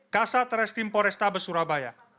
kasa terestim porestabes surabaya